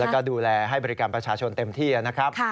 แล้วก็ดูแลให้บริการประชาชนเต็มที่นะครับ